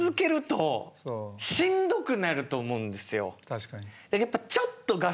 確かに。